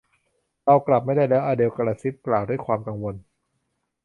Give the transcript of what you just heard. เรากลับไม่ได้แล้ว อเดลกระซิบกล่าวด้วยความกังวล